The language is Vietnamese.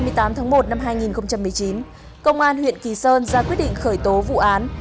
mới đây sáng ngày hai mươi tám tháng một năm hai nghìn một mươi chín công an huyện kỳ sơn ra quyết định khởi tố vụ án